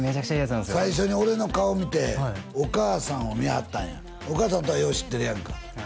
最初に俺の顔見てお母さんを見はったんやお母さんとはよう知ってるやんか